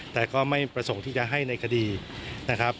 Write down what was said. แต่ก็ไม่ประสงค์ที่จะให้ในคดีนะครับ